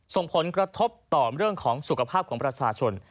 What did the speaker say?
ส่งผลกระทบต่อเรื่องของสุขภาพของประชาชน